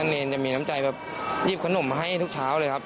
เนรจะมีน้ำใจแบบหยิบขนมมาให้ทุกเช้าเลยครับ